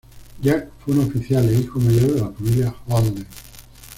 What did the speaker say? Jack fue un oficial e hijo mayor de la familia Holden.